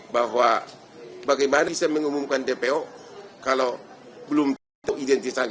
bahwa bagaimana saya mengumumkan dpo kalau belum tentu identitasnya